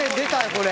これ。